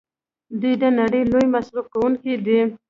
دوی د نړۍ لوی مصرف کوونکي دي.